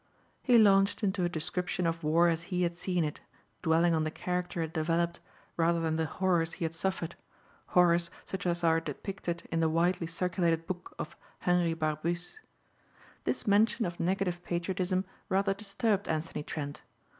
He launched into a description of war as he had seen it, dwelling on the character it developed rather than the horrors he had suffered, horrors such as are depicted in the widely circulated book of Henri Barbusse. This mention of negative patriotism rather disturbed Anthony Trent.